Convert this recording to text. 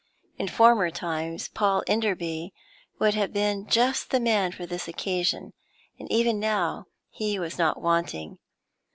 In former times, Paul Enderby would have been just the man for this occasion, and even now he was not wanting.